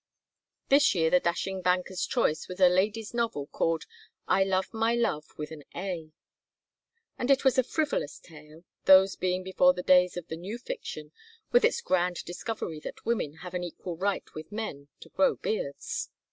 This year the dashing banker's choice was a lady's novel called "I Love My Love with an A," and it was a frivolous tale, those being before the days of the new fiction, with its grand discovery that women have an equal right with men to grow beards.